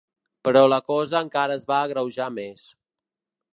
Però la cosa encara es va agreujar més.